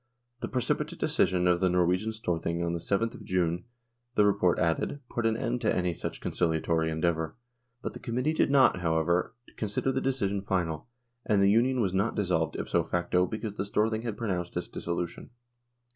The pre cipitate decision of the Norwegian Storthing on the 7th of June, the report added, put an end to any such conciliatory endeavour, but the Committee did not, however, consider the decision final, and the Union was not dissolved ipso facto because the Storthing had pronounced its dissolution.